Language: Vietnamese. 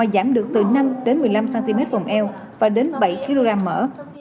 giảm được từ năm một mươi năm cm vòng eo và đến bảy kg mỡ